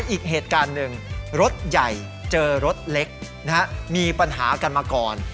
อีกเหตุการณ์หนึ่งรถใหญ่เจอรถเล็กมีปัญหากันมาก่อน